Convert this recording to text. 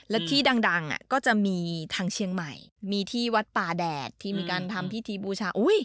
และที่ดังก็จะมีทางเชียงใหม่มีที่วัดป่าแดดที่มีการทำพิธีบูชา